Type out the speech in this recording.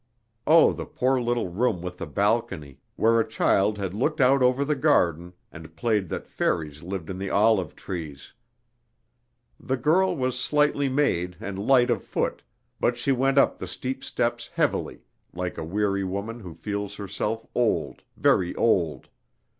Oh, the poor little room with the balcony, where a child had looked out over the garden, and played that fairies lived in the olive trees! The girl was slightly made and light of foot, but she went up the steep steps heavily, like a weary woman who feels herself old, very old.